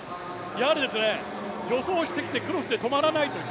やはり、助走をしてきてクロスで止まらないという。